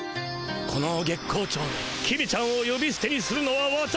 この月光町で公ちゃんをよびすてにするのは私だけ。